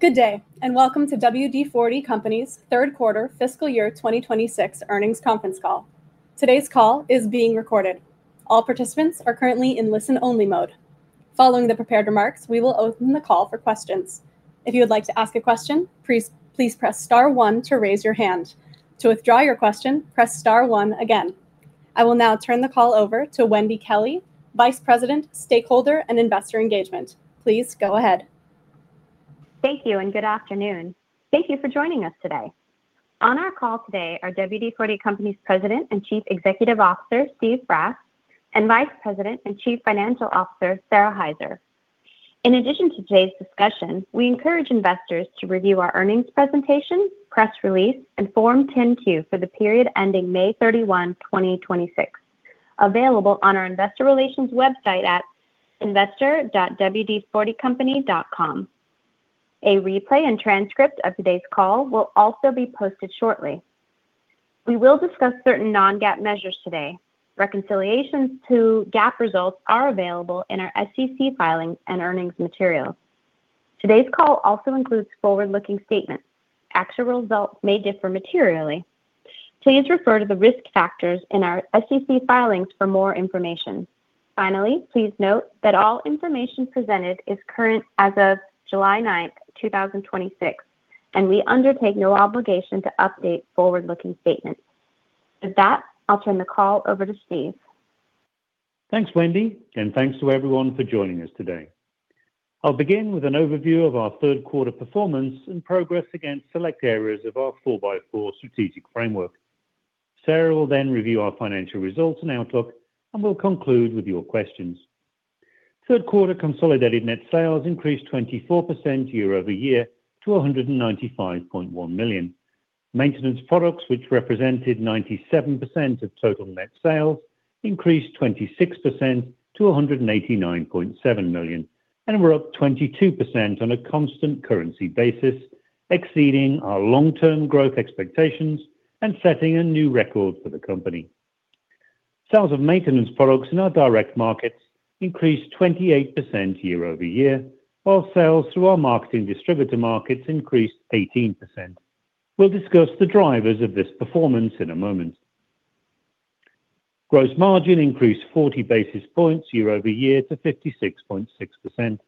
Good day. Welcome to WD-40 Company's third quarter fiscal year 2026 earnings conference call. Today's call is being recorded. All participants are currently in listen-only mode. Following the prepared remarks, we will open the call for questions. If you would like to ask a question, please press star one to raise your hand. To withdraw your question, press star one again. I will now turn the call over to Wendy Kelley, Vice President, Stakeholder and Investor Engagement. Please go ahead. Thank you. Good afternoon. Thank you for joining us today. On our call today are WD-40 Company's President and Chief Executive Officer, Steve Brass, and Vice President and Chief Financial Officer, Sara Hyzer. In addition to today's discussion, we encourage investors to review our earnings presentation, press release, and Form 10-Q for the period ending May 31, 2026, available on our investor relations website at investor.wd40company.com. A replay and transcript of today's call will also be posted shortly. We will discuss certain non-GAAP measures today. Reconciliations to GAAP results are available in our SEC filings and earnings materials. Today's call also includes forward-looking statements. Actual results may differ materially. Please refer to the risk factors in our SEC filings for more information. Finally, please note that all information presented is current as of July 9th, 2026. We undertake no obligation to update forward-looking statements. With that, I'll turn the call over to Steve. Thanks, Wendy. Thanks to everyone for joining us today. I'll begin with an overview of our third quarter performance and progress against select areas of our four by four strategic framework. Sara will review our financial results and outlook. We'll conclude with your questions. Third quarter consolidated net sales increased 24% year-over-year to $195.1 million. Maintenance products, which represented 97% of total net sales, increased 26% to $189.7 million. Were up 22% on a constant currency basis, exceeding our long-term growth expectations and setting a new record for the company. Sales of maintenance products in our direct markets increased 28% year-over-year, while sales through our marketing distributor markets increased 18%. We'll discuss the drivers of this performance in a moment. Gross margin increased 40 basis points year-over-year to 56.6%.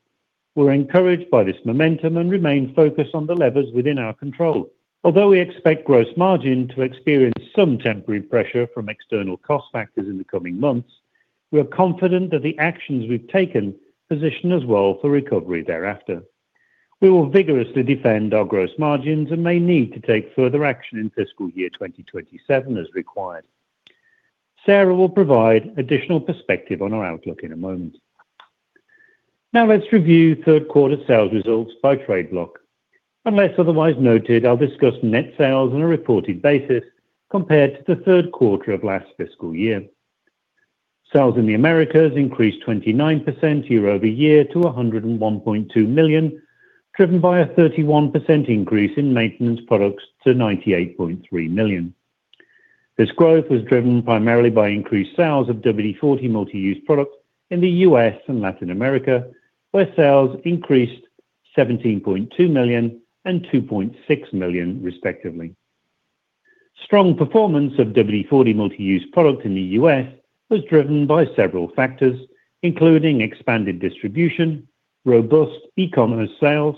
We're encouraged by this momentum and remain focused on the levers within our control. Although we expect gross margin to experience some temporary pressure from external cost factors in the coming months, we are confident that the actions we've taken position us well for recovery thereafter. We will vigorously defend our gross margins and may need to take further action in fiscal year 2027 as required. Sara will provide additional perspective on our outlook in a moment. Now let's review third quarter sales results by trade block. Unless otherwise noted, I'll discuss net sales on a reported basis compared to the third quarter of last fiscal year. Sales in the Americas increased 29% year-over-year to $101.2 million, driven by a 31% increase in maintenance products to $98.3 million. This growth was driven primarily by increased sales of WD-40 Multi-Use products in the U.S. and Latin America, where sales increased $17.2 million and $2.6 million respectively. Strong performance of WD-40 Multi-Use Product in the U.S. was driven by several factors, including expanded distribution, robust e-commerce sales,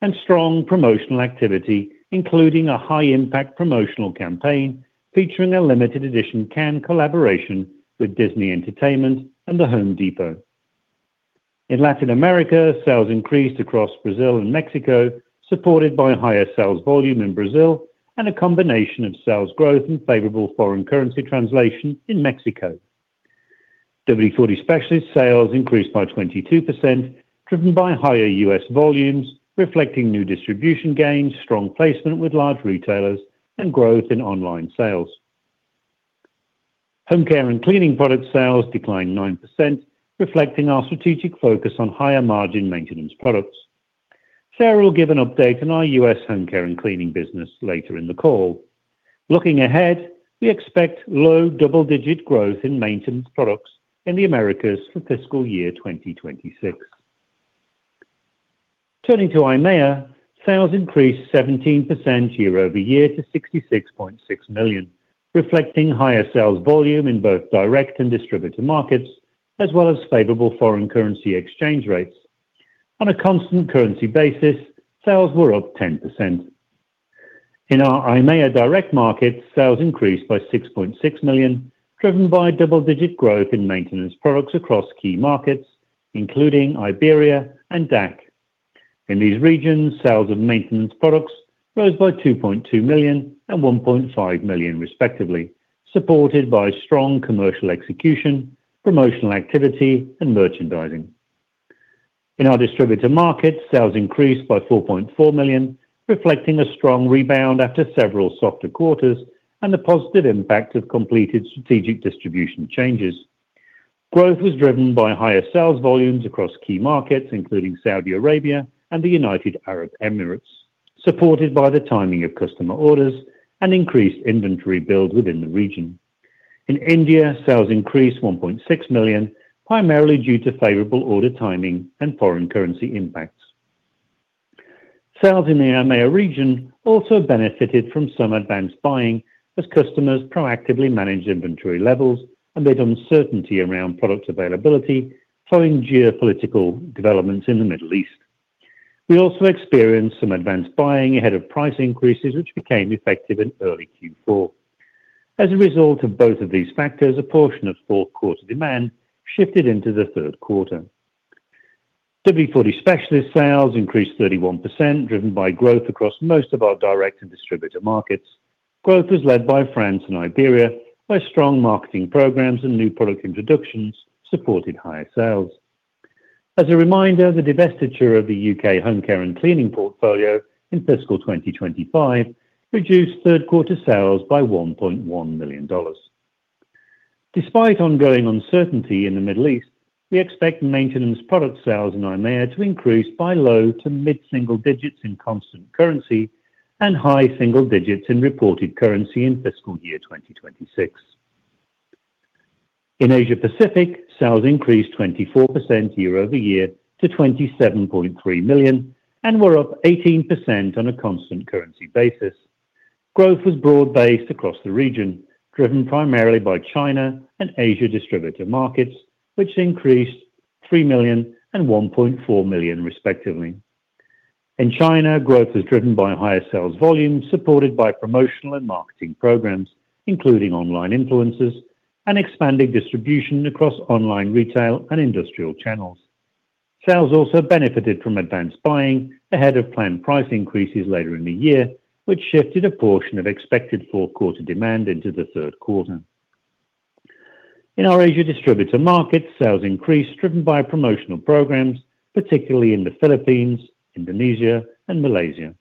and strong promotional activity, including a high impact promotional campaign featuring a limited edition can collaboration with Disney Entertainment and The Home Depot. In Latin America, sales increased across Brazil and Mexico, supported by higher sales volume in Brazil and a combination of sales growth and favorable foreign currency translation in Mexico. WD-40 Specialist sales increased by 22%, driven by higher U.S. volumes reflecting new distribution gains, strong placement with large retailers, and growth in online sales. Homecare and Cleaning Products sales declined 9%, reflecting our strategic focus on higher margin maintenance products. Sara will give an update on our U.S. Homecare and Cleaning business later in the call. Looking ahead, we expect low double-digit growth in maintenance products in the Americas for fiscal year 2026. Turning to EMEA, sales increased 17% year-over-year to $66.6 million, reflecting higher sales volume in both direct and distributor markets, as well as favorable foreign currency exchange rates. On a constant currency basis, sales were up 10%. In our EMEA direct markets, sales increased by $6.6 million, driven by double-digit growth in maintenance products across key markets, including Iberia and DACH. In these regions, sales of maintenance products rose by $2.2 million and $1.5 million respectively, supported by strong commercial execution, promotional activity, and merchandising. In our distributor markets, sales increased by $4.4 million, reflecting a strong rebound after several softer quarters and the positive impact of completed strategic distribution changes. Growth was driven by higher sales volumes across key markets, including Saudi Arabia and the United Arab Emirates, supported by the timing of customer orders and increased inventory build within the region. In India, sales increased $1.6 million, primarily due to favorable order timing and foreign currency impacts. Sales in the EMEA region also benefited from some advance buying as customers proactively managed inventory levels amid uncertainty around product availability following geopolitical developments in the Middle East. We also experienced some advance buying ahead of price increases, which became effective in early Q4. As a result of both of these factors, a portion of fourth quarter demand shifted into the third quarter. WD-40 Specialist sales increased 31%, driven by growth across most of our direct and distributor markets. Growth was led by France and Iberia, where strong marketing programs and new product introductions supported higher sales. As a reminder, the divestiture of the U.K. Home Care and Cleaning portfolio in fiscal 2025 reduced third quarter sales by $1.1 million. Despite ongoing uncertainty in the Middle East, we expect maintenance product sales in EIMEA to increase by low to mid-single digits in constant currency and high single digits in reported currency in fiscal year 2026. In Asia Pacific, sales increased 24% year-over-year to $27.3 million and were up 18% on a constant currency basis. Growth was broad based across the region, driven primarily by China and Asia distributor markets, which increased $3 million and $1.4 million respectively. In China, growth was driven by higher sales volumes supported by promotional and marketing programs, including online influencers and expanding distribution across online retail and industrial channels. Sales also benefited from advance buying ahead of planned price increases later in the year, which shifted a portion of expected fourth quarter demand into the third quarter. In our Asia distributor markets, sales increased, driven by promotional programs, particularly in the Philippines, Indonesia, and Malaysia.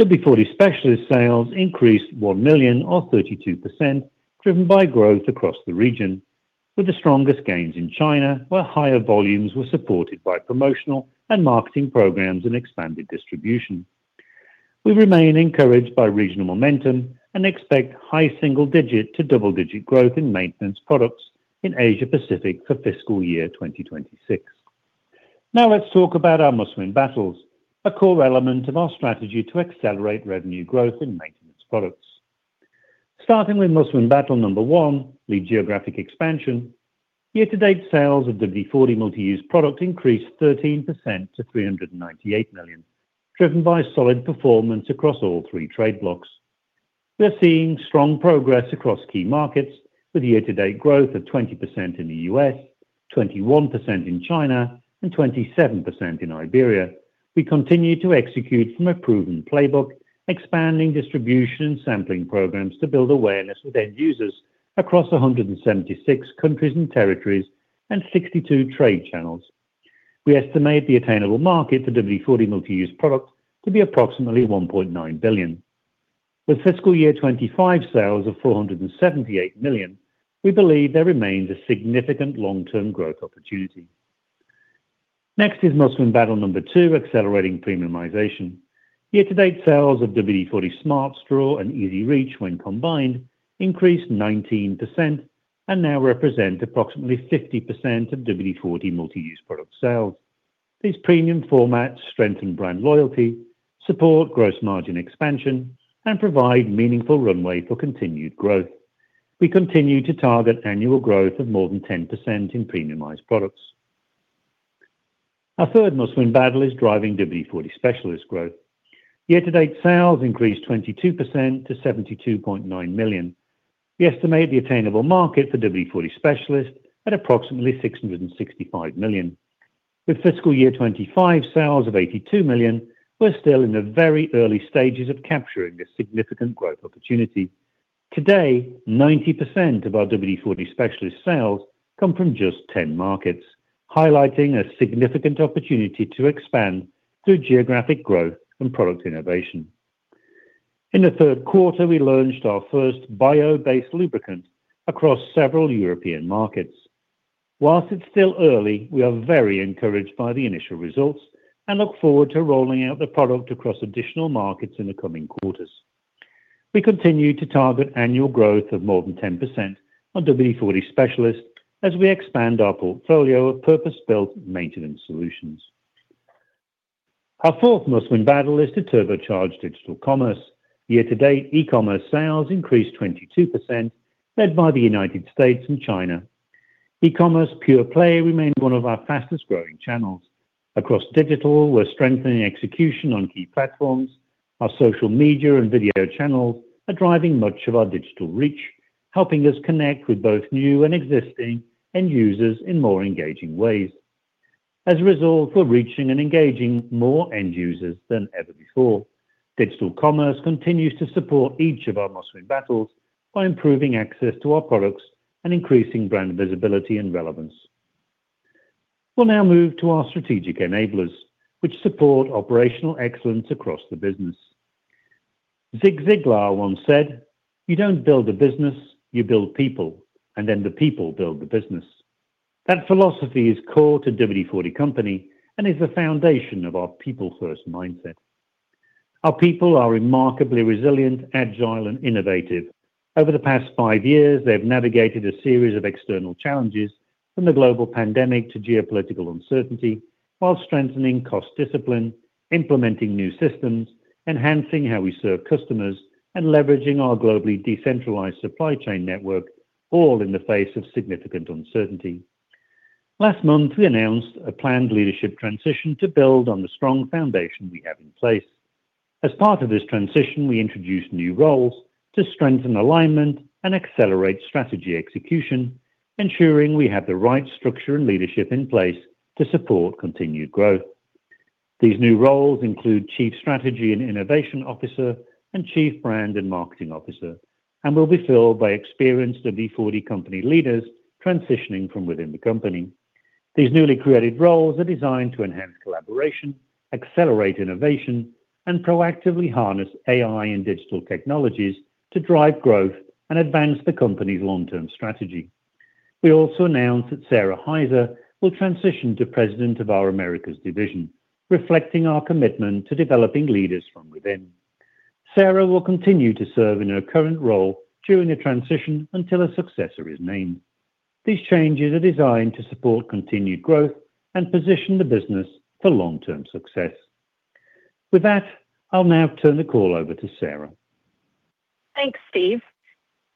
WD-40 Specialist sales increased $1 million or 32%, driven by growth across the region, with the strongest gains in China, where higher volumes were supported by promotional and marketing programs and expanded distribution. We remain encouraged by regional momentum and expect high single digit to double digit growth in maintenance products in Asia Pacific for fiscal year 2026. Now let's talk about our Must Win Battles, a core element of our strategy to accelerate revenue growth in maintenance products. Starting with Must Win Battle number one, lead geographic expansion, year-to-date sales of WD-40 Multi-Use Product increased 13% to $398 million, driven by solid performance across all three trade blocks. We are seeing strong progress across key markets, with year-to-date growth of 20% in the U.S., 21% in China, and 27% in Iberia. We continue to execute from a proven playbook, expanding distribution and sampling programs to build awareness with end users across 176 countries and territories and 62 trade channels. We estimate the attainable market for WD-40 Multi-Use Product to be approximately $1.9 billion. With fiscal year 2025 sales of $478 million, we believe there remains a significant long-term growth opportunity. Next is Must Win Battle number two, accelerating premiumization. Year-to-date sales of WD-40 Smart Straw and WD-40 EZ-REACH, when combined, increased 19% and now represent approximately 50% of WD-40 Multi-Use Product sales. These premium formats strengthen brand loyalty, support gross margin expansion, and provide meaningful runway for continued growth. We continue to target annual growth of more than 10% in premiumized products. Our third Must Win Battle is driving WD-40 Specialist growth. Year-to-date sales increased 22% to $72.9 million. We estimate the attainable market for WD-40 Specialist at approximately $665 million. With fiscal year 2025 sales of $82 million, we're still in the very early stages of capturing this significant growth opportunity. Today, 90% of our WD-40 Specialist sales come from just 10 markets, highlighting a significant opportunity to expand through geographic growth and product innovation. In the third quarter, we launched our first bio-based lubricant across several European markets. While it's still early, we are very encouraged by the initial results and look forward to rolling out the product across additional markets in the coming quarters. We continue to target annual growth of more than 10% on WD-40 Specialist as we expand our portfolio of purpose-built maintenance solutions. Our fourth Must Win Battle is to turbocharge digital commerce. Year to date, e-commerce sales increased 22%, led by the United States and China. E-commerce pure play remains one of our fastest growing channels. Across digital, we're strengthening execution on key platforms. Our social media and video channels are driving much of our digital reach, helping us connect with both new and existing end users in more engaging ways. As a result, we're reaching and engaging more end users than ever before. Digital commerce continues to support each of our Must Win Battles by improving access to our products and increasing brand visibility and relevance. We'll now move to our strategic enablers, which support operational excellence across the business. Zig Ziglar once said, "You don't build a business. You build people, and then the people build the business." That philosophy is core to WD-40 Company and is the foundation of our people first mindset. Our people are remarkably resilient, agile, and innovative. Over the past five years, they have navigated a series of external challenges from the global pandemic to geopolitical uncertainty while strengthening cost discipline, implementing new systems, enhancing how we serve customers, and leveraging our globally decentralized supply chain network, all in the face of significant uncertainty. Last month, we announced a planned leadership transition to build on the strong foundation we have in place. As part of this transition, we introduced new roles to strengthen alignment and accelerate strategy execution, ensuring we have the right structure and leadership in place to support continued growth. These new roles include Chief Strategy and Innovation Officer and Chief Brand and Marketing Officer and will be filled by experienced WD-40 Company leaders transitioning from within the company. These newly created roles are designed to enhance collaboration, accelerate innovation, and proactively harness AI and digital technologies to drive growth and advance the company's long-term strategy. We also announced that Sara Hyzer will transition to President of our Americas division, reflecting our commitment to developing leaders from within. Sara will continue to serve in her current role during the transition until a successor is named. These changes are designed to support continued growth and position the business for long-term success. With that, I'll now turn the call over to Sara. Thanks, Steve.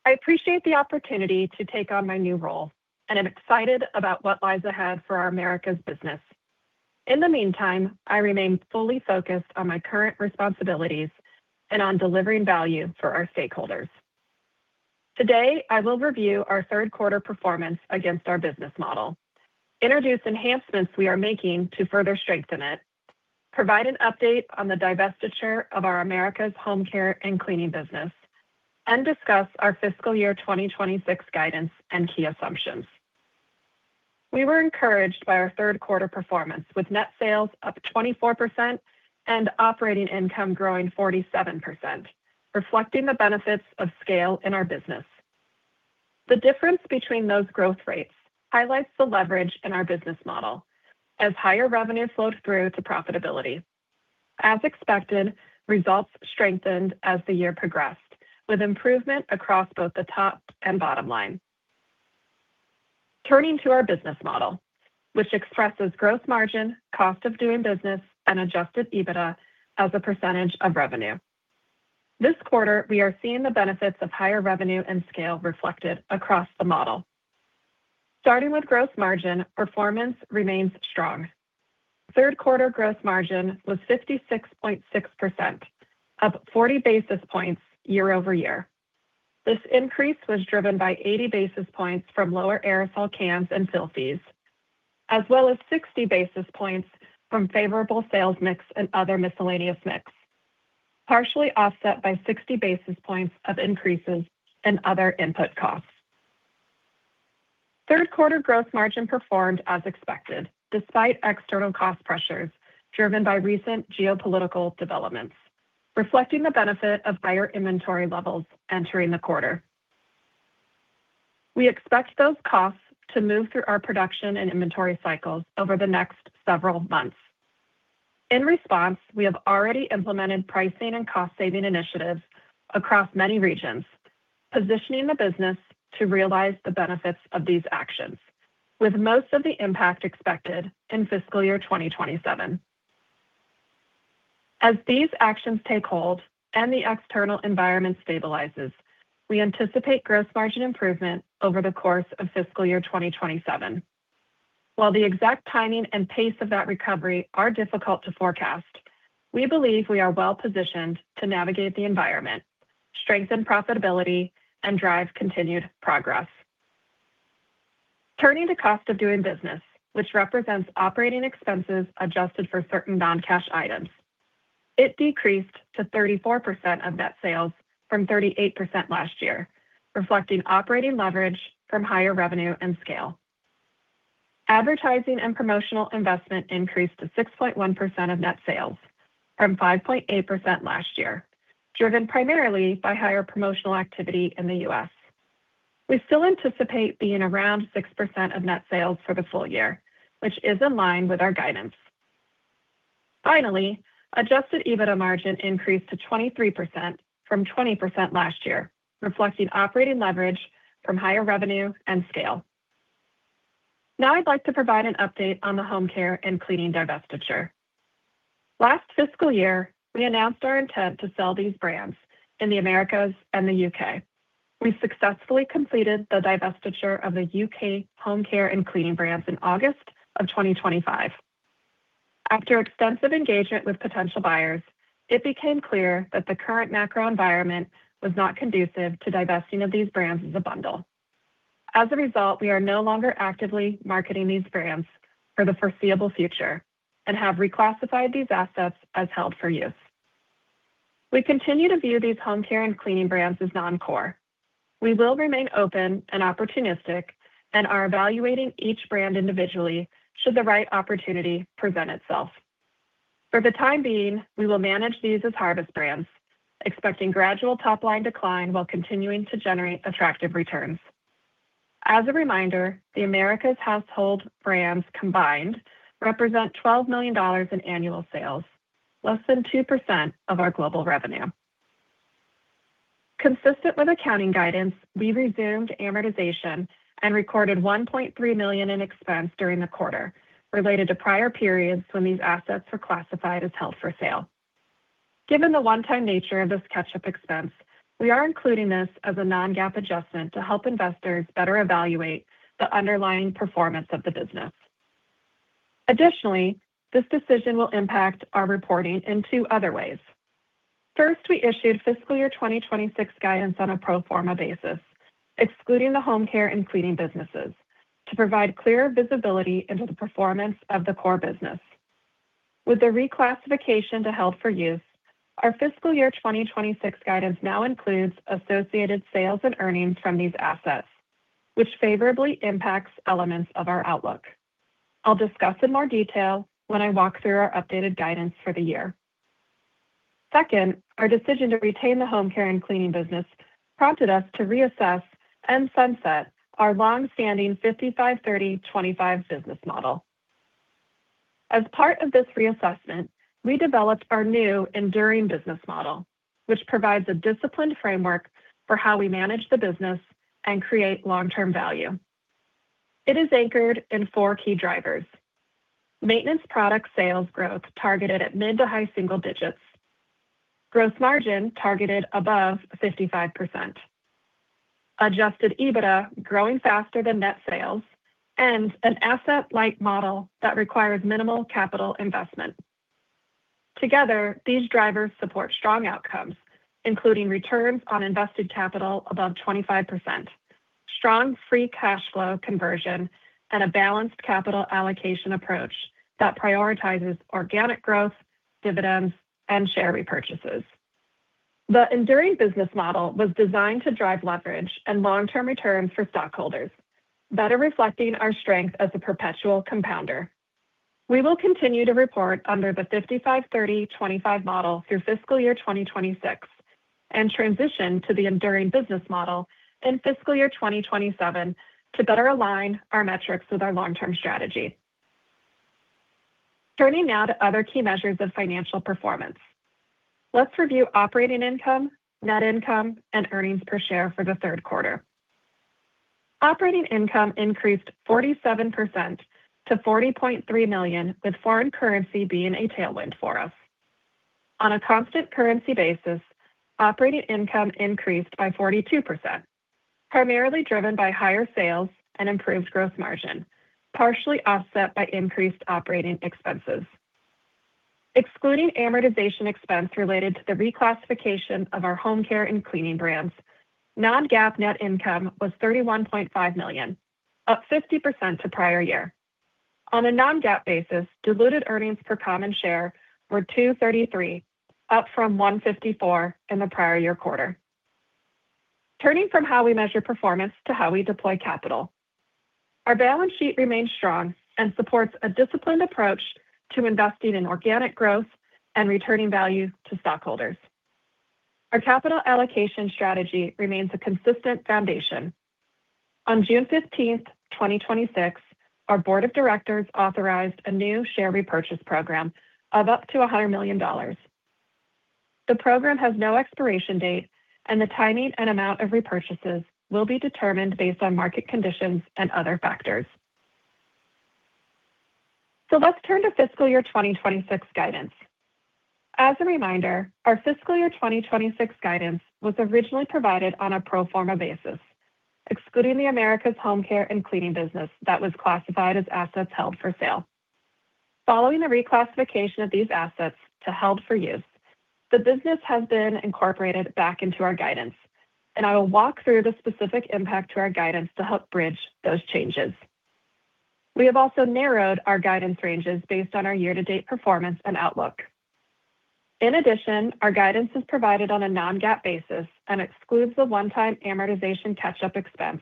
I appreciate the opportunity to take on my new role, and am excited about what lies ahead for our Americas business. In the meantime, I remain fully focused on my current responsibilities and on delivering value for our stakeholders. Today, I will review our third quarter performance against our business model, introduce enhancements we are making to further strengthen it, provide an update on the divestiture of our Americas Homecare and Cleaning Products business, and discuss our fiscal year 2026 guidance and key assumptions. We were encouraged by our third quarter performance, with net sales up 24% and operating income growing 47%, reflecting the benefits of scale in our business. The difference between those growth rates highlights the leverage in our business model as higher revenue flowed through to profitability. As expected, results strengthened as the year progressed, with improvement across both the top and bottom line. Turning to our business model, which expresses gross margin, cost of doing business, and adjusted EBITDA as a percentage of revenue. This quarter, we are seeing the benefits of higher revenue and scale reflected across the model. Starting with gross margin, performance remains strong. Third quarter gross margin was 56.6%, up 40 basis points year-over-year. This increase was driven by 80 basis points from lower aerosol cans and fill fees, as well as 60 basis points from favorable sales mix and other miscellaneous mix, partially offset by 60 basis points of increases in other input costs. Third quarter gross margin performed as expected, despite external cost pressures driven by recent geopolitical developments, reflecting the benefit of higher inventory levels entering the quarter. We expect those costs to move through our production and inventory cycles over the next several months. In response, we have already implemented pricing and cost-saving initiatives across many regions, positioning the business to realize the benefits of these actions, with most of the impact expected in fiscal year 2027. As these actions take hold and the external environment stabilizes, we anticipate gross margin improvement over the course of fiscal year 2027. While the exact timing and pace of that recovery are difficult to forecast, we believe we are well positioned to navigate the environment, strengthen profitability, and drive continued progress. Turning to cost of doing business, which represents operating expenses adjusted for certain non-cash items. It decreased to 34% of net sales from 38% last year, reflecting operating leverage from higher revenue and scale. Advertising and promotional investment increased to 6.1% of net sales from 5.8% last year, driven primarily by higher promotional activity in the U.S. We still anticipate being around 6% of net sales for the full year, which is in line with our guidance. Finally, adjusted EBITDA margin increased to 23% from 20% last year, reflecting operating leverage from higher revenue and scale. Now I'd like to provide an update on the Home Care and Cleaning divestiture. Last fiscal year, we announced our intent to sell these brands in the Americas and the U.K. We successfully completed the divestiture of the U.K. Home Care and Cleaning brands in August of 2025. After extensive engagement with potential buyers, it became clear that the current macro environment was not conducive to divesting of these brands as a bundle. As a result, we are no longer actively marketing these brands for the foreseeable future and have reclassified these assets as held for use. We continue to view these Home Care and Cleaning brands as non-core. We will remain open and opportunistic and are evaluating each brand individually should the right opportunity present itself. For the time being, we will manage these as harvest brands, expecting gradual top line decline while continuing to generate attractive returns. As a reminder, the Americas household brands combined represent $12 million in annual sales, less than 2% of our global revenue. Consistent with accounting guidance, we resumed amortization and recorded $1.3 million in expense during the quarter related to prior periods when these assets were classified as held for sale. Given the one-time nature of this catch-up expense, we are including this as a non-GAAP adjustment to help investors better evaluate the underlying performance of the business. Additionally, this decision will impact our reporting in two other ways. First, we issued fiscal year 2026 guidance on a pro forma basis, excluding the Homecare and Cleaning Products businesses, to provide clear visibility into the performance of the core business. With the reclassification to held for use, our fiscal year 2026 guidance now includes associated sales and earnings from these assets, which favorably impacts elements of our outlook. I'll discuss in more detail when I walk through our updated guidance for the year. Second, our decision to retain the Homecare and Cleaning Products business prompted us to reassess and sunset our longstanding 55/30/25 business model. As part of this reassessment, we developed our new enduring business model, which provides a disciplined framework for how we manage the business and create long-term value. It is anchored in four key drivers. Maintenance product sales growth targeted at mid-to-high single digits. Gross margin targeted above 55%. Adjusted EBITDA growing faster than net sales. An asset-light model that requires minimal capital investment. Together, these drivers support strong outcomes, including returns on invested capital above 25%, strong free cash flow conversion, and a balanced capital allocation approach that prioritizes organic growth, dividends, and share repurchases. The enduring business model was designed to drive leverage and long-term returns for stockholders, better reflecting our strength as a perpetual compounder. We will continue to report under the 55/30/25 model through fiscal year 2026 and transition to the enduring business model in fiscal year 2027 to better align our metrics with our long-term strategy. Turning now to other key measures of financial performance. Let's review operating income, net income, and earnings per share for the third quarter. Operating income increased 47% to $40.3 million, with foreign currency being a tailwind for us. On a constant currency basis, operating income increased by 42%, primarily driven by higher sales and improved gross margin, partially offset by increased operating expenses. Excluding amortization expense related to the reclassification of our Homecare and Cleaning Products brands, non-GAAP net income was $31.5 million, up 50% to prior year. On a non-GAAP basis, diluted earnings per common share were $2.33, up from $1.54 in the prior year quarter. Turning from how we measure performance to how we deploy capital. Our balance sheet remains strong and supports a disciplined approach to investing in organic growth and returning value to stockholders. Our capital allocation strategy remains a consistent foundation. On June 15th, 2026, our board of directors authorized a new share repurchase program of up to $100 million. The program has no expiration date, and the timing and amount of repurchases will be determined based on market conditions and other factors. Let's turn to fiscal year 2026 guidance. As a reminder, our fiscal year 2026 guidance was originally provided on a pro forma basis, excluding the Americas Homecare and Cleaning Products business that was classified as assets held for sale. Following the reclassification of these assets to held for use, the business has been incorporated back into our guidance, and I will walk through the specific impact to our guidance to help bridge those changes. We have also narrowed our guidance ranges based on our year-to-date performance and outlook. In addition, our guidance is provided on a non-GAAP basis and excludes the one-time amortization catch-up expense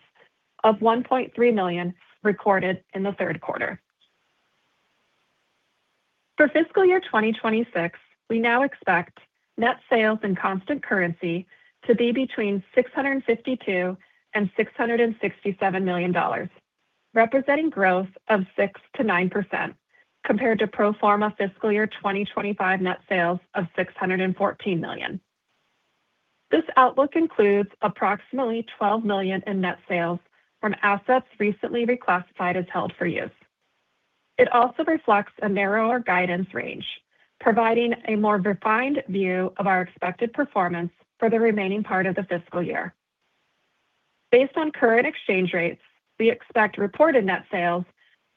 of $1.3 million recorded in the third quarter. For fiscal year 2026, we now expect net sales and constant currency to be between $652 million and $667 million, representing growth of 6%-9% compared to pro forma fiscal year 2025 net sales of $614 million. This outlook includes approximately $12 million in net sales from assets recently reclassified as held for use. It also reflects a narrower guidance range, providing a more refined view of our expected performance for the remaining part of the fiscal year. Based on current exchange rates, we expect reported net sales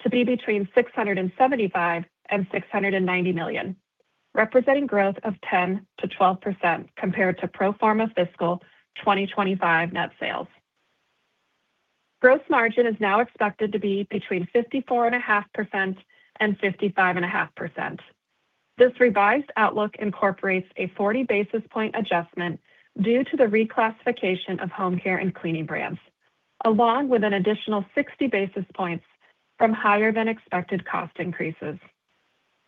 to be between $675 million and $690 million, representing growth of 10%-12% compared to pro forma fiscal 2025 net sales. Gross margin is now expected to be between 54.5% and 55.5%. This revised outlook incorporates a 40-basis-point adjustment due to the reclassification of Homecare and Cleaning brands, along with an additional 60 basis points from higher-than-expected cost increases.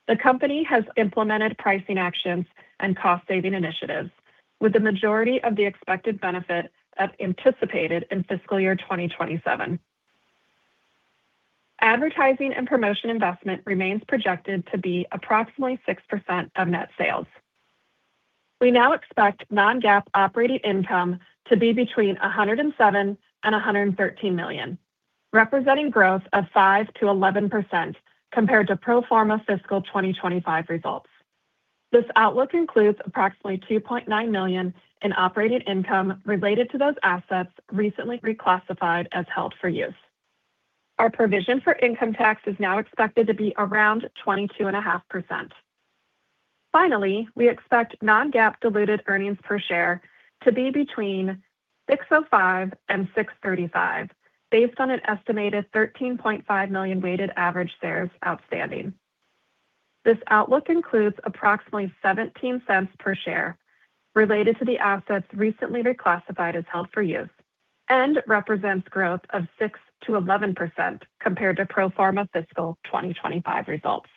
The company has implemented pricing actions and cost-saving initiatives with the majority of the expected benefit anticipated in fiscal year 2027. Advertising and promotion investment remains projected to be approximately 6% of net sales. We now expect non-GAAP operating income to be between $107 million and $113 million, representing growth of 5%-11% compared to pro forma fiscal 2025 results. This outlook includes approximately $2.9 million in operating income related to those assets recently reclassified as held for use. Our provision for income tax is now expected to be around 22.5%. Finally, we expect non-GAAP diluted earnings per share to be between $6.05 and $6.35, based on an estimated 13.5 million weighted average shares outstanding. This outlook includes approximately $0.17 per share related to the assets recently reclassified as held for use, and represents growth of 6%-11% compared to pro forma fiscal 2025 results.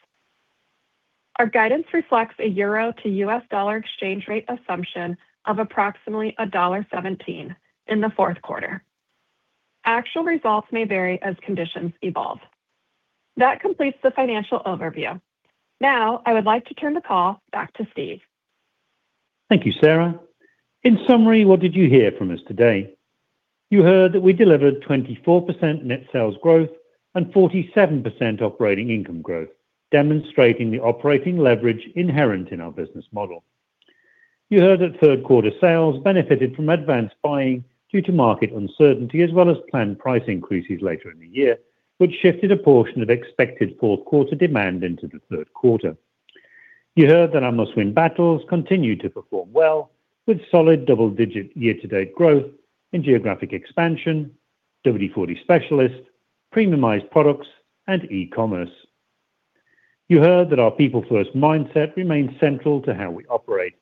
Our guidance reflects a euro to U.S. dollar exchange rate assumption of approximately $1.17 in the fourth quarter. Actual results may vary as conditions evolve. That completes the financial overview. Now, I would like to turn the call back to Steve. Thank you, Sara. In summary, what did you hear from us today? You heard that we delivered 24% net sales growth and 47% operating income growth, demonstrating the operating leverage inherent in our business model. You heard that third quarter sales benefited from advanced buying due to market uncertainty, as well as planned price increases later in the year, which shifted a portion of expected fourth quarter demand into the third quarter. You heard that our Must Win Battles continue to perform well, with solid double-digit year-to-date growth in geographic expansion, WD-40 Specialist, premiumized products, and e-commerce. You heard that our people first mindset remains central to how we operate,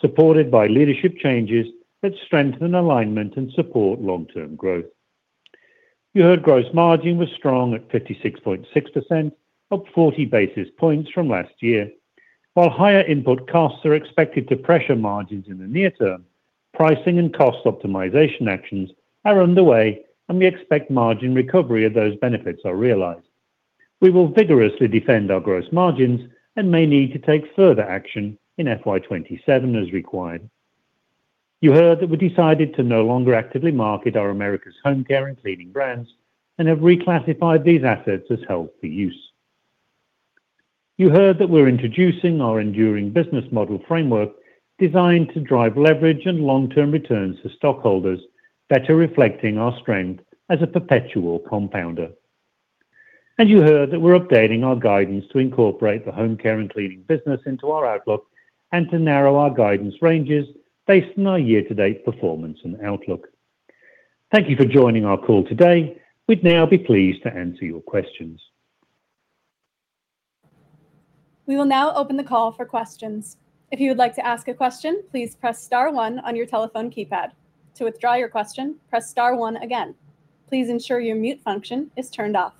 supported by leadership changes that strengthen alignment and support long-term growth. You heard gross margin was strong at 56.6%, up 40 basis points from last year. While higher input costs are expected to pressure margins in the near term, pricing and cost optimization actions are underway, and we expect margin recovery as those benefits are realized. We will vigorously defend our gross margins and may need to take further action in FY 2027 as required. You heard that we decided to no longer actively market our Americas Homecare and Cleaning brands and have reclassified these assets as held for use. You heard that we're introducing our enduring business model framework designed to drive leverage and long-term returns to stockholders, better reflecting our strength as a perpetual compounder. And you heard that we're updating our guidance to incorporate the Homecare and Cleaning business into our outlook and to narrow our guidance ranges based on our year-to-date performance and outlook. Thank you for joining our call today. We'd now be pleased to answer your questions. We will now open the call for questions. If you would like to ask a question, please press star one on your telephone keypad. To withdraw your question, press star one again. Please ensure your mute function is turned off.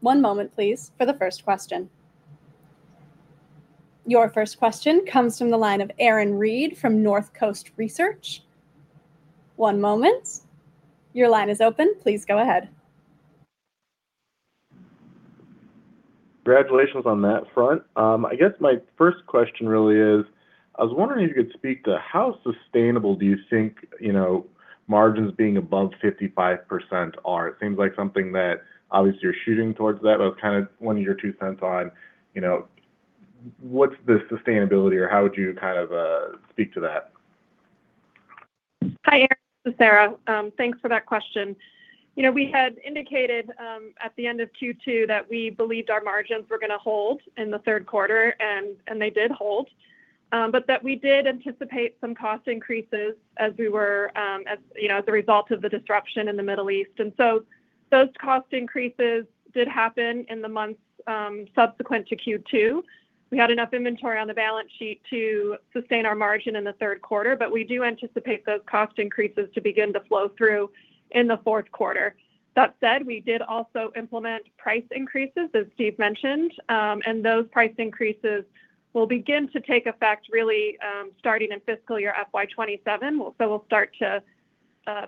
One moment, please, for the first question. Your first question comes from the line of Aaron Reed from Northcoast Research. One moment. Your line is open. Please go ahead. Congratulations on that front. I guess my first question really is, I was wondering if you could speak to how sustainable do you think margins being above 55% are? It seems like something that obviously you're shooting towards that, but I was kind of wanting your two cents on what's the sustainability or how would you kind of speak to that? Hi, Aaron. This is Sara. Thanks for that question. We had indicated at the end of Q2 that we believed our margins were going to hold in the third quarter, and they did hold. But that we did anticipate some cost increases as the result of the disruption in the Middle East. And so those cost increases did happen in the months subsequent to Q2. We had enough inventory on the balance sheet to sustain our margin in the third quarter, but we do anticipate those cost increases to begin to flow through in the fourth quarter. That said, we did also implement price increases, as Steve mentioned. And those price increases will begin to take effect really starting in fiscal year FY 2027. We'll start to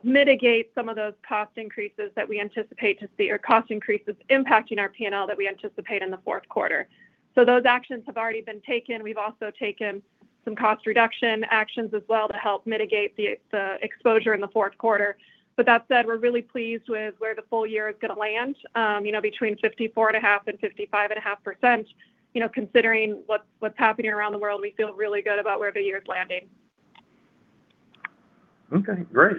mitigate some of those cost increases that we anticipate to see, or cost increases impacting our P&L that we anticipate in the fourth quarter. Those actions have already been taken. We've also taken some cost reduction actions as well to help mitigate the exposure in the fourth quarter. That said, we're really pleased with where the full year is going to land. Between 54.5% and 55.5%, considering what's happening around the world, we feel really good about where the year's landing. Okay, great.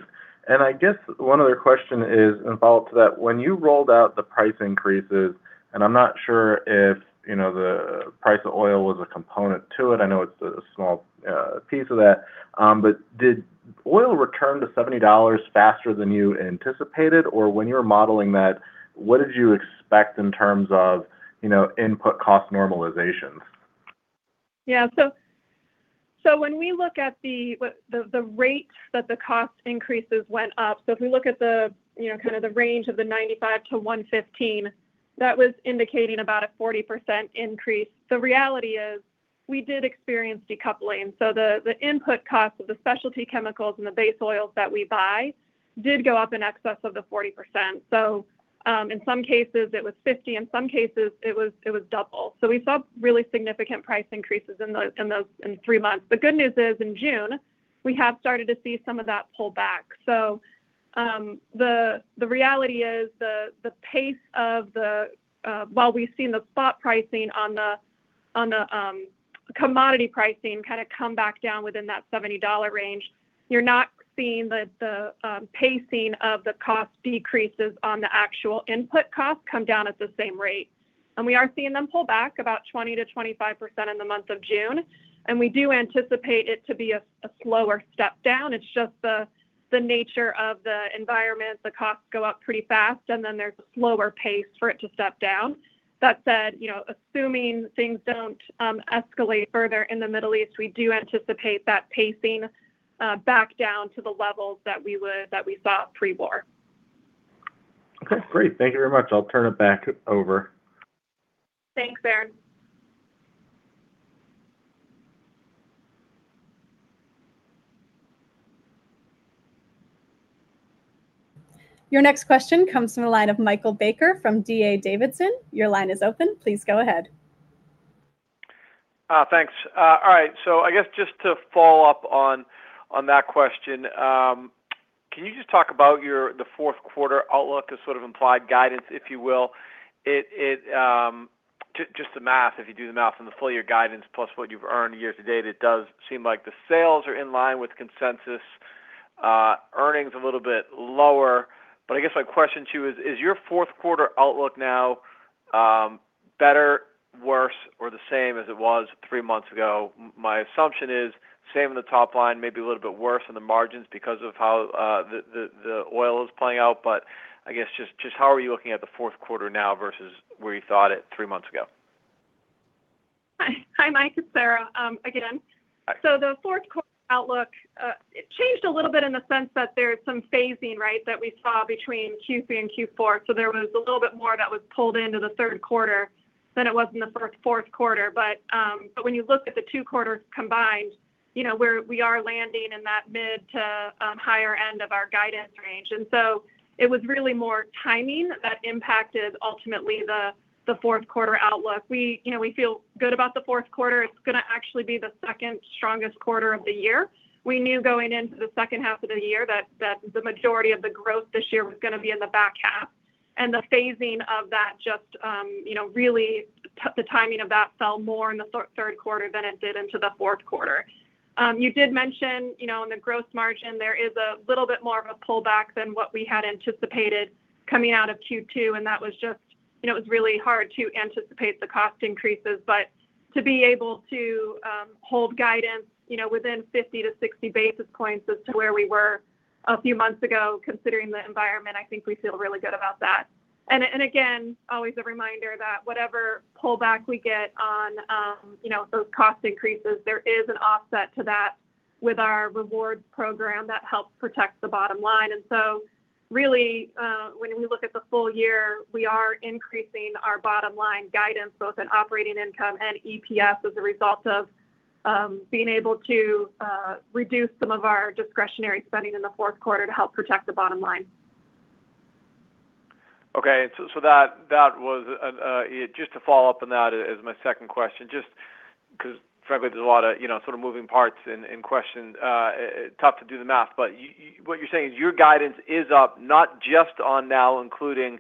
I guess one other question is involved to that. When you rolled out the price increases, and I'm not sure if the price of oil was a component to it, I know it's a small piece of that, but did oil return to $70 faster than you anticipated? Or when you were modeling that, what did you expect in terms of input cost normalizations? When we look at the rates that the cost increases went up, if we look at the range of the $95-$115, that was indicating about a 40% increase. The reality is we did experience decoupling, the input costs of the specialty chemicals and the base oils that we buy did go up in excess of the 40%. In some cases it was 50%, in some cases it was double. We saw really significant price increases in three months. The good news is, in June, we have started to see some of that pull back. The reality is, while we've seen the spot pricing on the commodity pricing kind of come back down within that $70 range, you're not seeing the pacing of the cost decreases on the actual input cost come down at the same rate. We are seeing them pull back about 20%-25% in the month of June. We do anticipate it to be a slower step down. It's just the nature of the environment. The costs go up pretty fast, and then there's a slower pace for it to step down. That said, assuming things don't escalate further in the Middle East, we do anticipate that pacing back down to the levels that we saw pre-war. Okay, great. Thank you very much. I'll turn it back over. Thanks, Aaron. Your next question comes from the line of Michael Baker from D.A. Davidson. Your line is open. Please go ahead. Thanks. All right. I guess just to follow up on that question, can you just talk about the fourth quarter outlook as sort of implied guidance, if you will? Just the math. If you do the math on the full year guidance plus what you've earned year to date, it does seem like the sales are in line with consensus. Earnings a little bit lower. I guess my question to you is your fourth quarter outlook now better, worse, or the same as it was three months ago? My assumption is same in the top line, maybe a little bit worse in the margins because of how the oil is playing out. I guess just how are you looking at the fourth quarter now versus where you thought it three months ago? Hi, Mike. It's Sara again. Hi. The fourth quarter outlook, it changed a little bit in the sense that there's some phasing, right, that we saw between Q3 and Q4. There was a little bit more that was pulled into the third quarter than it was in the fourth quarter. When you look at the two quarters combined, we are landing in that mid to higher end of our guidance range. It was really more timing that impacted ultimately the fourth quarter outlook. We feel good about the fourth quarter. It's going to actually be the second strongest quarter of the year. We knew going into the second half of the year that the majority of the growth this year was going to be in the back half. The phasing of that, just really the timing of that fell more in the third quarter than it did into the fourth quarter. You did mention in the gross margin, there is a little bit more of a pullback than what we had anticipated coming out of Q2, that was just really hard to anticipate the cost increases. To be able to hold guidance within 50-60 basis points as to where we were a few months ago, considering the environment, I think we feel really good about that. Again, always a reminder that whatever pullback we get on those cost increases, there is an offset to that with our rewards program that helps protect the bottom line. Really, when we look at the full year, we are increasing our bottom line guidance both in operating income and EPS as a result of being able to reduce some of our discretionary spending in the fourth quarter to help protect the bottom line. Okay. Just to follow up on that as my second question, just because frankly, there's a lot of sort of moving parts in question. Tough to do the math, what you're saying is your guidance is up not just on now including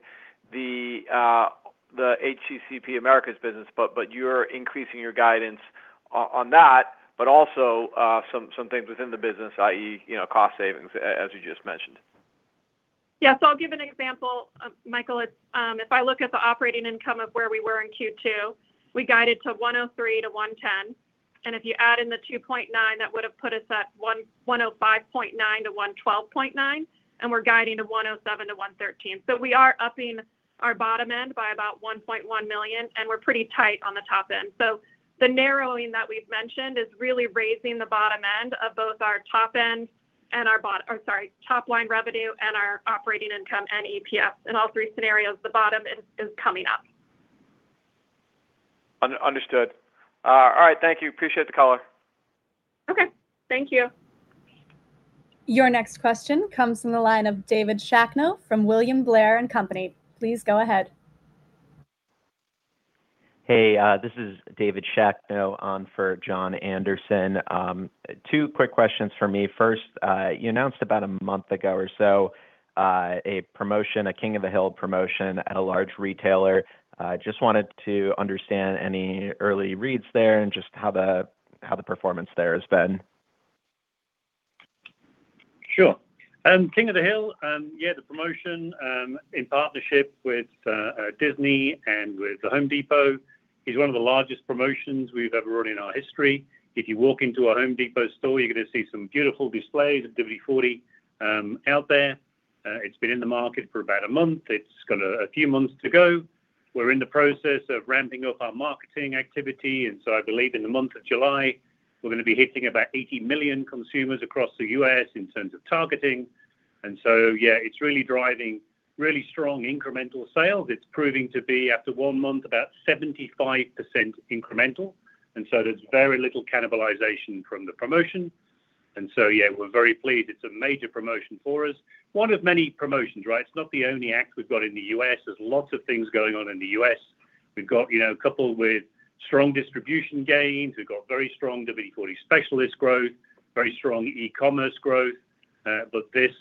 the HCCP Americas business, but you're increasing your guidance on that, but also some things within the business, i.e. cost savings, as you just mentioned. Yeah. I'll give an example, Michael. If I look at the operating income of where we were in Q2, we guided to $103 million-$110 million. If you add in the $2.9 million, that would have put us at $105.9 million-$112.9 million. We're guiding to [$107 million-$113 million. We are upping our bottom end by about $1.1 million. We're pretty tight on the top end. The narrowing that we've mentioned is really raising the bottom end of both our top line revenue and our operating income and EPS. In all three scenarios, the bottom end is coming up. Understood. All right, thank you. Appreciate the color. Okay. Thank you. Your next question comes from the line of David Shakno from William Blair & Company. Please go ahead. Hey, this is David Shakno on for Jon Andersen. Two quick questions for me. First, you announced about a month ago or so, a promotion, a King of the Hill promotion at a large retailer. Just wanted to understand any early reads there and just how the performance there has been. Sure. King of the Hill, yeah, the promotion, in partnership with Disney and with The Home Depot is one of the largest promotions we've ever run in our history. If you walk into a Home Depot store, you're going to see some beautiful displays of WD-40 out there. It's been in the market for about a month. It's got a few months to go. We're in the process of ramping up our marketing activity. I believe in the month of July, we're going to be hitting about 80 million consumers across the U.S. in terms of targeting. Yeah, it's really driving really strong incremental sales. It's proving to be, after one month, about 75% incremental, so there's very little cannibalization from the promotion. Yeah, we're very pleased. It's a major promotion for us. One of many promotions, right? It's not the only act we've got in the U.S. There's lots of things going on in the U.S. We've got a couple with strong distribution gains. We've got very strong WD-40 Specialist growth, very strong e-commerce growth. This,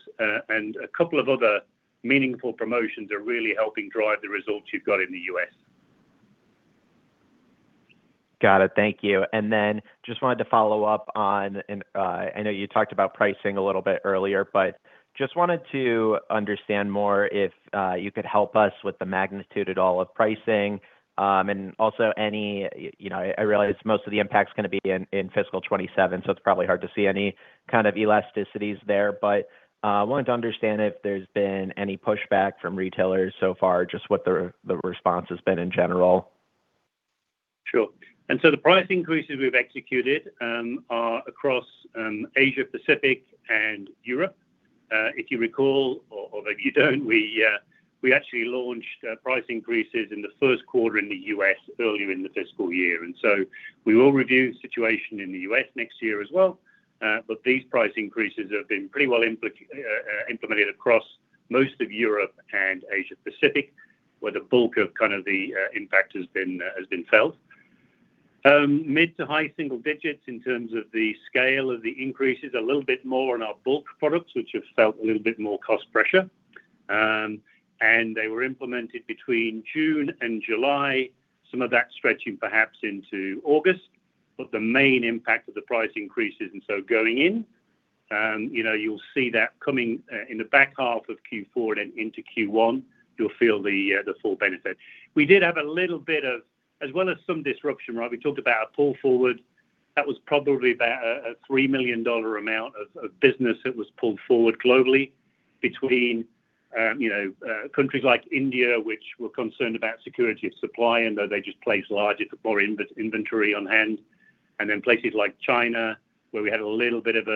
and a couple of other meaningful promotions, are really helping drive the results you've got in the U.S. Got it. Thank you. Just wanted to follow up on, I know you talked about pricing a little bit earlier, just wanted to understand more, if you could help us with the magnitude at all of pricing. I realize most of the impact's going to be in fiscal 2027, so it's probably hard to see any kind of elasticities there. I wanted to understand if there's been any pushback from retailers so far, just what the response has been in general. Sure. The price increases we've executed are across Asia Pacific and Europe. If you recall, or if you don't, we actually launched price increases in the first quarter in the U.S. earlier in the fiscal year. We will review the situation in the U.S. next year as well. These price increases have been pretty well implemented across most of Europe and Asia Pacific, where the bulk of the impact has been felt. Mid to high single digits in terms of the scale of the increases. A little bit more on our bulk products, which have felt a little bit more cost pressure. They were implemented between June and July, some of that stretching perhaps into August. The main impact of the price increases, going in, you'll see that coming in the back half of Q4 and into Q1, you'll feel the full benefit. As well as some disruption, right, we talked about a pull forward. That was probably about a $3 million amount of business that was pulled forward globally between countries like India, which were concerned about security of supply, they just placed larger, more inventory on hand. Places like China, where we had a little bit of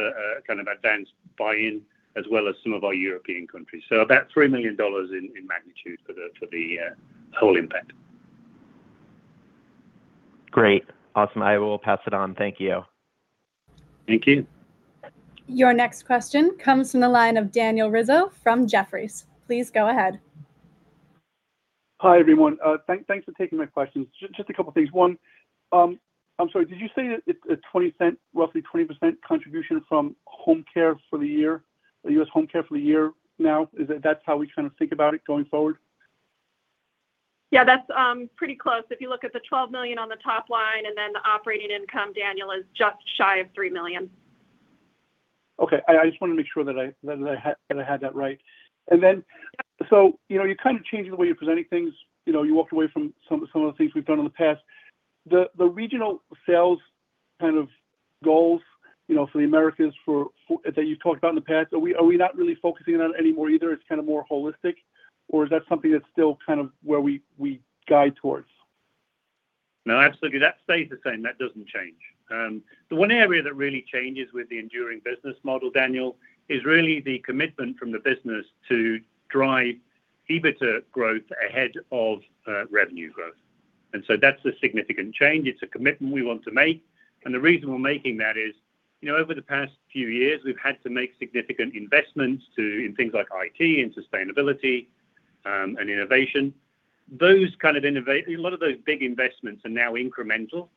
advanced buy-in, as well as some of our European countries. About $3 million in magnitude for the whole impact. Great. Awesome. I will pass it on. Thank you. Thank you. Your next question comes from the line of Daniel Rizzo from Jefferies. Please go ahead. Hi, everyone. Thanks for taking my questions. Just a couple of things. One, I'm sorry, did you say that it's roughly 20% contribution from home care for the year? The U.S. home care for the year now? Is that how we kind of think about it going forward? Yeah, that's pretty close. If you look at the $12 million on the top line and then the operating income, Daniel, is just shy of $3 million. Okay. I just wanted to make sure that I had that right. You're kind of changing the way you're presenting things. You walked away from some of the things we've done in the past. The regional sales kind of goals for the Americas that you've talked about in the past, are we not really focusing on that anymore either? It's kind of more holistic, or is that something that's still kind of where we guide towards? No, absolutely. That stays the same. That doesn't change. The one area that really changes with the enduring business model, Daniel, is really the commitment from the business to drive EBITDA growth ahead of revenue growth. That's the significant change. It's a commitment we want to make. The reason we're making that is, over the past few years, we've had to make significant investments in things like IT and sustainability, and innovation. A lot of those big investments are now incremental.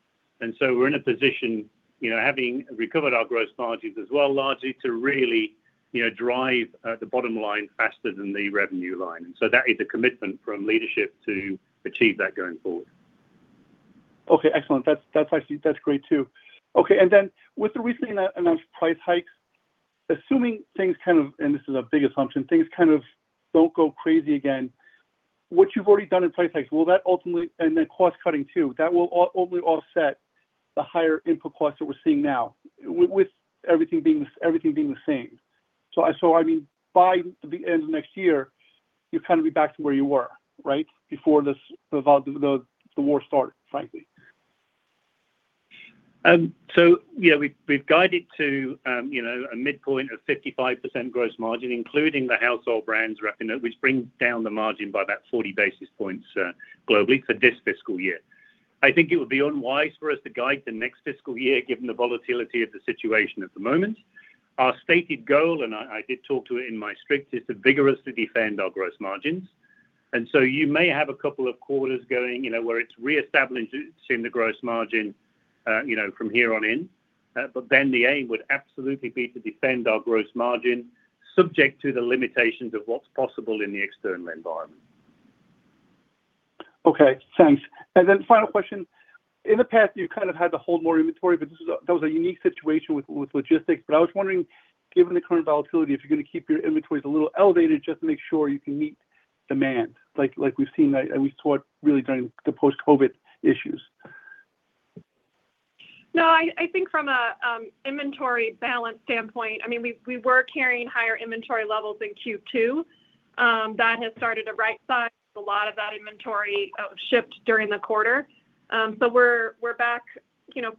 We're in a position, having recovered our gross margins as well, largely to really drive the bottom line faster than the revenue line. That is a commitment from leadership to achieve that going forward. Okay, excellent. That's great, too. With the recently announced price hikes, assuming things kind of, and this is a big assumption, things kind of don't go crazy again, what you've already done in price hikes, and then cost cutting too, that will ultimately offset the higher input costs that we're seeing now with everything being the same. I mean, by the end of next year, you'll kind of be back to where you were, right? Before the war started, frankly. Yeah, we've guided to a midpoint of 55% gross margin, including the household brands, which brings down the margin by about 40 basis points globally for this fiscal year. I think it would be unwise for us to guide the next fiscal year, given the volatility of the situation at the moment. Our stated goal, and I did talk to it in my script, is to vigorously defend our gross margins. You may have a couple of quarters going where it's reestablishing the gross margin from here on in. The aim would absolutely be to defend our gross margin subject to the limitations of what's possible in the external environment. Okay, thanks. Final question. In the past, you kind of had to hold more inventory, but that was a unique situation with logistics. I was wondering, given the current volatility, if you're going to keep your inventories a little elevated just to make sure you can meet demand like we've seen, and we saw really during the post-COVID issues I think from an inventory balance standpoint, we were carrying higher inventory levels in Q2. That has started to right size. A lot of that inventory shipped during the quarter. We're back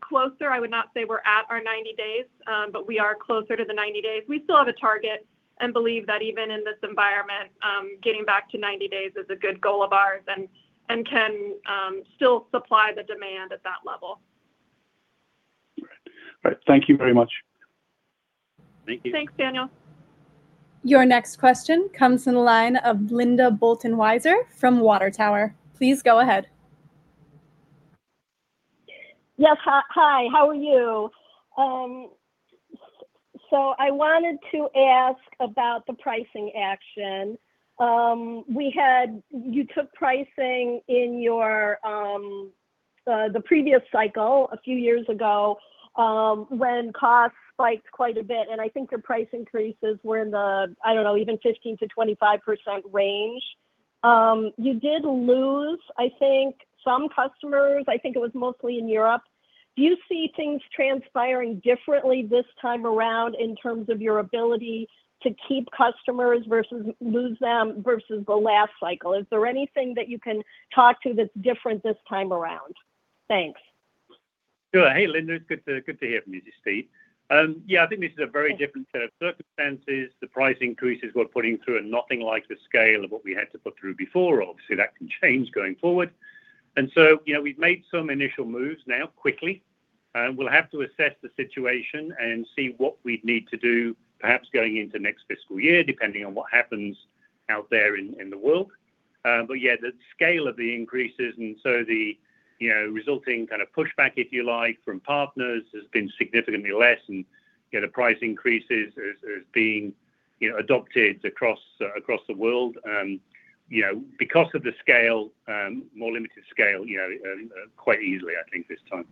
closer. I would not say we're at our 90 days, but we are closer to the 90 days. We still have a target and believe that even in this environment, getting back to 90 days is a good goal of ours and can still supply the demand at that level. Right. Thank you very much. Thank you. Thanks, Daniel. Your next question comes from the line of Linda Bolton-Weiser from Water Tower. Please go ahead. Yes. Hi, how are you? I wanted to ask about the pricing action. You took pricing in the previous cycle a few years ago, when costs spiked quite a bit, and I think the price increases were in the, I don't know, even 15%-25% range. You did lose, I think, some customers. I think it was mostly in Europe. Do you see things transpiring differently this time around in terms of your ability to keep customers versus lose them versus the last cycle? Is there anything that you can talk to that's different this time around? Thanks. Sure. Hey, Linda. It's good to hear from you this eve. I think this is a very different set of circumstances. The price increases we're putting through are nothing like the scale of what we had to put through before. Obviously, that can change going forward. We've made some initial moves now quickly, and we'll have to assess the situation and see what we'd need to do, perhaps going into next fiscal year, depending on what happens out there in the world. The scale of the increases and so the resulting kind of pushback, if you like, from partners, has been significantly less and the price increases are being adopted across the world. Because of the more limited scale, quite easily, I think, this time.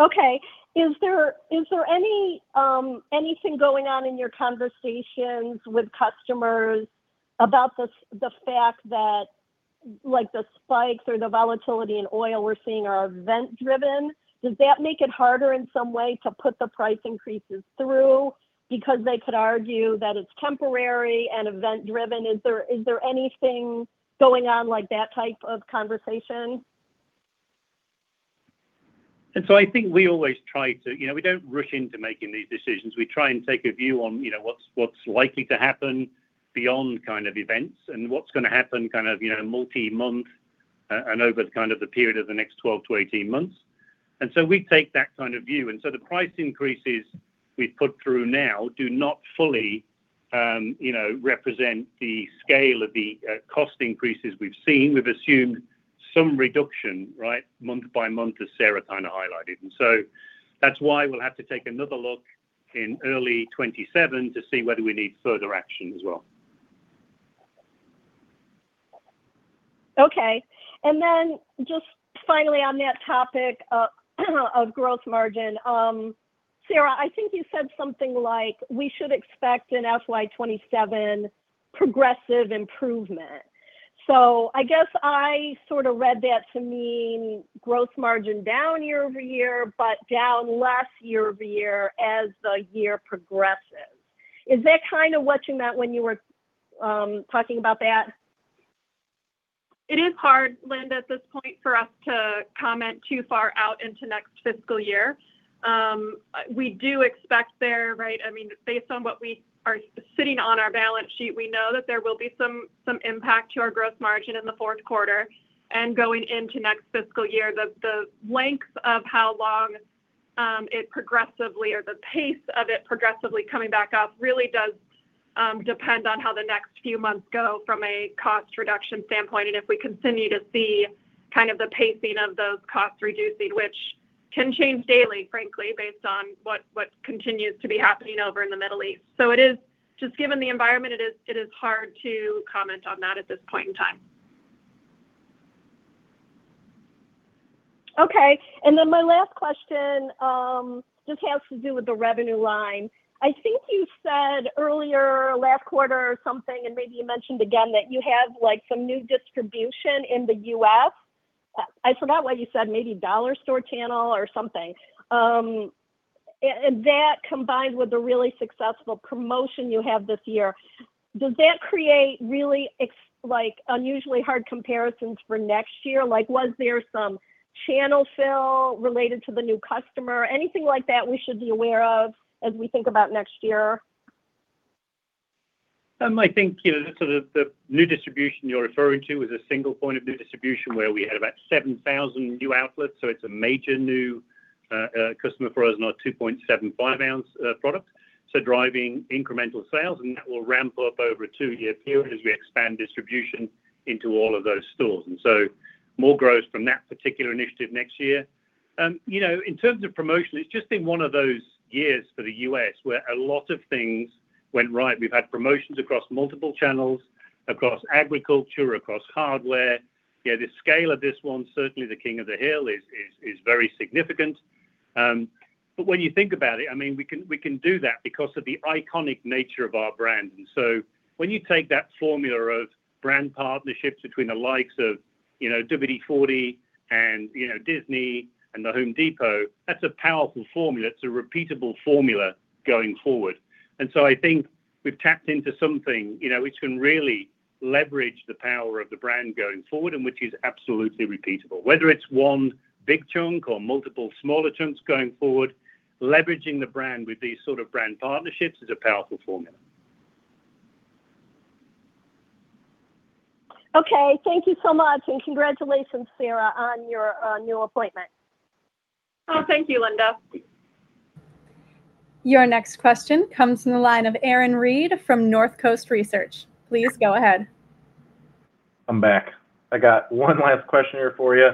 Okay. Is there anything going on in your conversations with customers about the fact that the spikes or the volatility in oil we're seeing are event driven? Does that make it harder in some way to put the price increases through because they could argue that it's temporary and event driven? Is there anything going on like that type of conversation? I think we always try. We don't rush into making these decisions. We try and take a view on what's likely to happen beyond kind of events and what's going to happen multi-month and over the period of the next 12-18 months. We take that kind of view. The price increases we've put through now do not fully represent the scale of the cost increases we've seen. We've assumed some reduction, right, month by month, as Sara kind of highlighted. That's why we'll have to take another look in early 2027 to see whether we need further action as well. Okay. Just finally on that topic of gross margin. Sara, I think you said something like we should expect an FY 2027 progressive improvement. I guess I sort of read that to mean gross margin down year-over-year, but down less year-over-year as the year progresses. Is that kind of what you meant when you were talking about that? It is hard, Linda, at this point for us to comment too far out into next fiscal year. We do expect there, right, based on what we are sitting on our balance sheet, we know that there will be some impact to our gross margin in the fourth quarter and going into next fiscal year. The length of how long it progressively, or the pace of it progressively coming back up really does depend on how the next few months go from a cost reduction standpoint and if we continue to see the pacing of those costs reducing, which can change daily, frankly, based on what continues to be happening over in the Middle East. Just given the environment, it is hard to comment on that at this point in time. Okay. My last question just has to do with the revenue line. I think you said earlier, last quarter or something, maybe you mentioned again that you have some new distribution in the U.S. I forgot what you said, maybe dollar store channel or something. That combined with the really successful promotion you have this year, does that create really unusually hard comparisons for next year? Was there some channel fill related to the new customer? Anything like that we should be aware of as we think about next year? I think the new distribution you're referring to was a single point of new distribution where we had about 7,000 new outlets. It's a major new customer for us in our 2.75-ounce product. Driving incremental sales, that will ramp up over a two-year period as we expand distribution into all of those stores. More growth from that particular initiative next year. In terms of promotion, it's just been one of those years for the U.S. where a lot of things went right. We've had promotions across multiple channels, across agriculture, across hardware. The scale of this one, certainly the King of the Hill, is very significant. When you think about it, we can do that because of the iconic nature of our brand. When you take that formula of brand partnerships between the likes of WD-40 and Disney and The Home Depot, that's a powerful formula. It's a repeatable formula going forward. I think we've tapped into something which can really leverage the power of the brand going forward, which is absolutely repeatable. Whether it's one big chunk or multiple smaller chunks going forward, leveraging the brand with these sort of brand partnerships is a powerful formula. Okay. Thank you so much. Congratulations, Sara, on your new appointment. Oh, thank you, Linda. Your next question comes from the line of Aaron Reed from Northcoast Research. Please go ahead. I'm back. I got one last question here for you.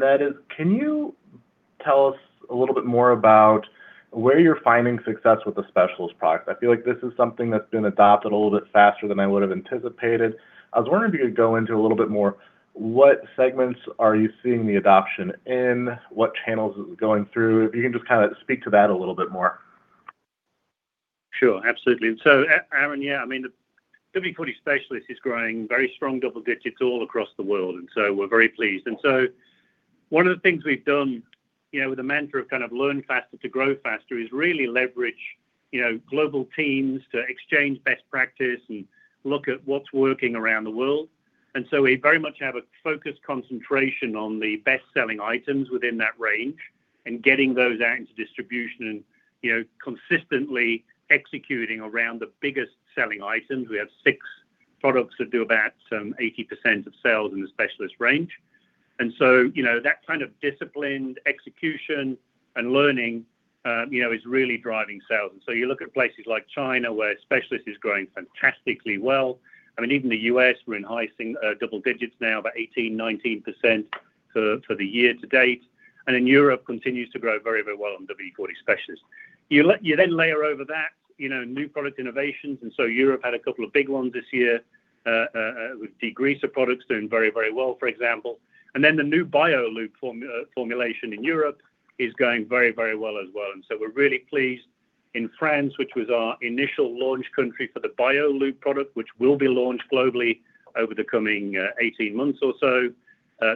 That is, can you tell us a little bit more about where you're finding success with the WD-40 Specialist product? I feel like this is something that's been adopted a little bit faster than I would've anticipated. I was wondering if you could go into a little bit more, what segments are you seeing the adoption in, what channels it's going through? If you can just kind of speak to that a little bit more. Sure. Absolutely. Aaron, yeah, WD-40 Specialist is growing very strong double digits all across the world. We're very pleased. One of the things we've done with the mantra of kind of learn faster to grow faster is really leverage global teams to exchange best practice and look at what's working around the world. We very much have a focused concentration on the best-selling items within that range and getting those out into distribution and consistently executing around the biggest-selling items. We have six products that do about some 80% of sales in the Specialist range. That kind of disciplined execution and learning is really driving sales. You look at places like China where Specialist is growing fantastically well. Even the U.S., we're in high double digits now, about 18%-19% for the year to date. Europe continues to grow very well on WD-40 Specialist. You layer over that new product innovations, Europe had a couple of big ones this year, with degreaser products doing very well, for example. The new Bio Lube formulation in Europe is going very well as well. We're really pleased. In France, which was our initial launch country for the Bio Lube product, which will be launched globally over the coming 18 months or so,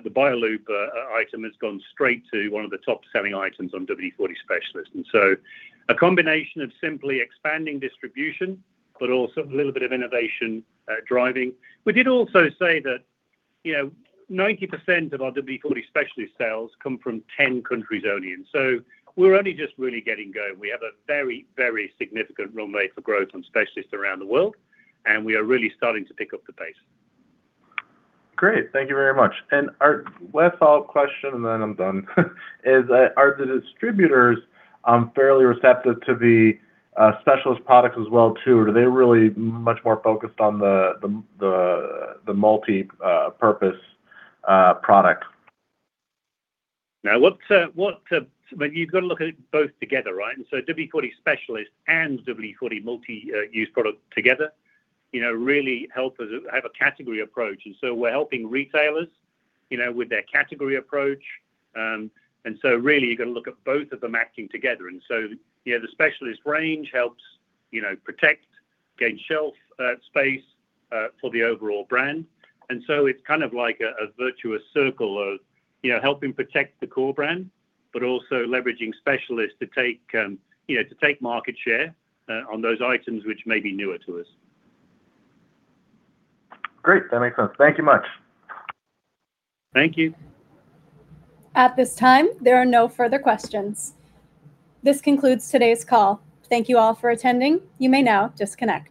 the Bio Lube item has gone straight to one of the top-selling items on WD-40 Specialist. A combination of simply expanding distribution, but also a little bit of innovation driving. We did also say that 90% of our WD-40 Specialist sales come from 10 countries only. We're only just really getting going. We have a very significant runway for growth on Specialist around the world, we are really starting to pick up the pace. Great. Thank you very much. Our last follow-up question, I'm done, is, are the distributors fairly receptive to the Specialist products as well too, or are they really much more focused on the multi purpose product? You've got to look at it both together, right? WD-40 Specialist and WD-40 Multi-Use Product together really help us have a category approach. We're helping retailers with their category approach. Really you've got to look at both of them acting together. The Specialist range helps protect, gain shelf space for the overall brand. It's kind of like a virtuous circle of helping protect the core brand, but also leveraging Specialist to take market share on those items which may be newer to us. Great. That makes sense. Thank you much. Thank you. At this time, there are no further questions. This concludes today's call. Thank you all for attending. You may now disconnect